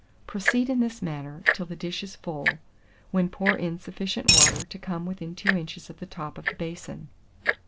Proceed in this manner till the dish is full, when pour in sufficient water to come within 2 inches of the top of the basin.